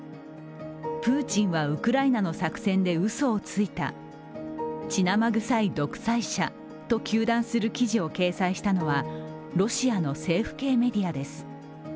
プーチンはウクライナの作戦でうそをついた、血なまぐさい独裁者と糾弾する記事を掲載したのはロシアの政府系メディアです。